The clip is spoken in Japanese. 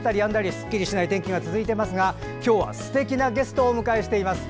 すっきりしない天気が続いてますが今日はすてきなゲストをお迎えしています。